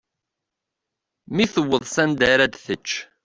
Mi tewweḍ s anda ra d-tečč.